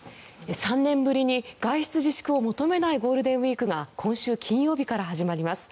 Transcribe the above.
３年ぶりに外出自粛を求めないゴールデンウィークが今週金曜日から始まります。